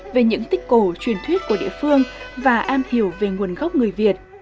về những tích cổ truyền thuyết của địa phương và am hiểu về nguồn gốc người việt